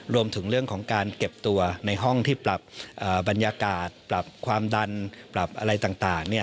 รวมถึงเรื่องของการเก็บตัวในห้องที่ปรับบรรยากาศปรับความดันปรับอะไรต่าง